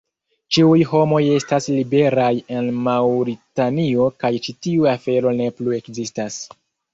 Ĉiuj homoj estas liberaj en Maŭritanio kaj ĉi tiu afero ne plu ekzistas.